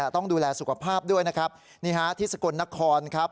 ต้องดูแลสุขภาพด้วยนะครับนี่ฮะที่สกลนครครับ